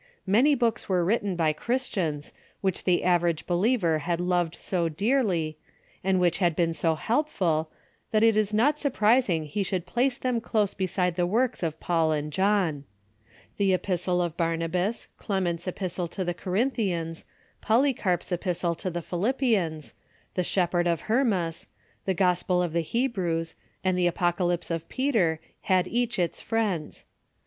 Many books were written by Christians which the average believer had loved so dearly, and which had been so helpful, that it is not surprising he should place them close beside the works of Paul and John. The Epistle of Bar nabas, Clement's Epistle to the Corinthians, Poly carp's Epistle to the Philippians, the Shepherd of Hernias, the Gospel of the Hebrews, and the Apocalypse of Peter had each its friends.